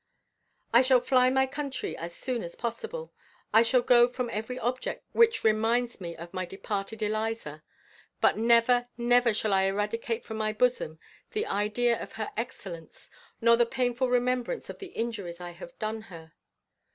I shall fly my country as soon as possible. I shall go from every object which reminds me of my departed Eliza; but never, never shall I eradicate from my bosom the idea of her excellence, nor the painful remembrance of the injuries I have done her.